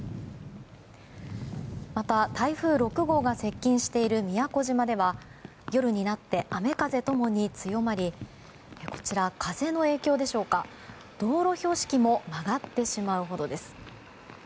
また、台風６号が接近している宮古島では夜になって雨風ともに強まりこちら、風の影響でしょうか道路標識も曲がってしまうほどです。